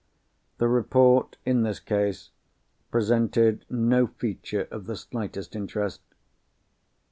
The report, in this case, presented no feature of the slightest interest.